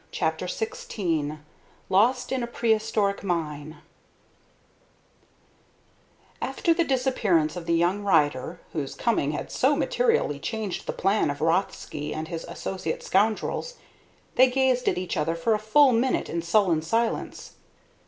CHAPTER XVI LOST IN A PREHISTORIC MINE After the disappearance of the young rider, whose coming had so materially changed the plan of Rothsky and his associate scoundrels, they gazed at each other for a full minute in sullen silence.